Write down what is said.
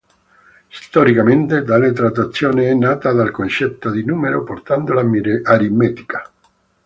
Storicamente tale trattazione è nata dal concetto di numero portando all'aritmetica.